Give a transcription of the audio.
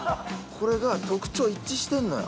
これが特徴一致してんのよ